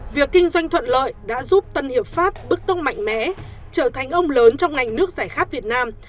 việc kinh doanh thuận lợi đã giúp tân hiệp pháp bức tông mạnh mẽ trở thành ông lớn trong ngành nước giải khát việt nam